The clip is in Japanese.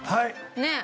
ねえ。